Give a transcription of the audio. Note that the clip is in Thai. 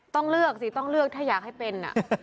ต้องเลือกสิต้องเลือกถ้าอยากให้เป็น